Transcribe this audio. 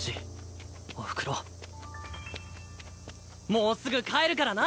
もうすぐ帰るからな。